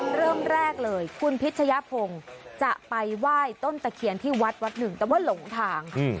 เริ่มแรกเลยคุณพิชยพงศ์จะไปไหว้ต้นตะเคียนที่วัดวัดหนึ่งแต่ว่าหลงทางค่ะ